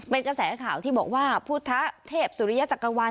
เป็นกระแสข่าวที่บอกว่าพุทธเทพสุริยจักรวรรณ